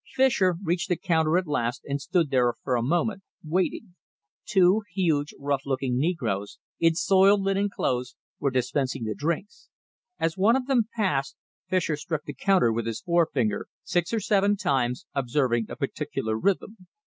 Fischer reached the counter at last and stood there for a moment, waiting. Two huge, rough looking negroes, in soiled linen clothes, were dispensing the drinks. As one of them passed, Fischer struck the counter with his forefinger, six or seven times, observing a particular rhythm.